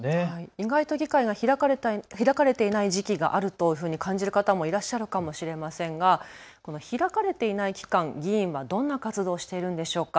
意外と議会が開かれていない時期があると感じる方もいらっしゃるかもしれませんが開かれていない期間、議員はどんな活動をしているんでしょうか。